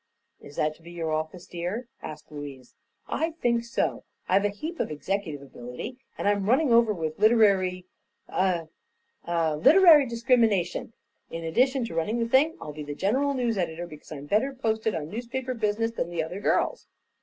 "Is that to be your office, dear?" asked Louise. "I think so. I've a heap of executive ability, and I'm running over with literary eh eh literary discrimination. In addition to running the thing, I'll be the general news editor, because I'm better posted on newspaper business than the other girls."